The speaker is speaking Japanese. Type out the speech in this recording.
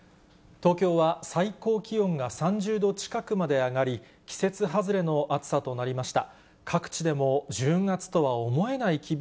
東京は最高気温が３０度近くまで上がり、季節外れの暑さとなりました。